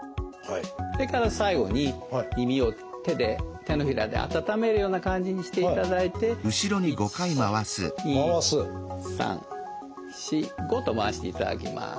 それから最後に耳を手で手のひらで温めるような感じにしていただいて１２３４５と回していただきます。